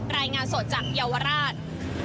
รายงานสดจากเยาวราช